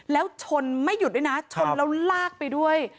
แล้วชนไม่หยุดด้วยนะชนแล้วลากไปด้วย